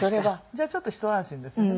じゃあちょっと一安心ですね。